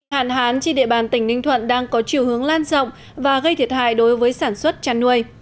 hạn hán trên địa bàn tỉnh ninh thuận đang có chiều hướng lan rộng và gây thiệt hại đối với sản xuất chăn nuôi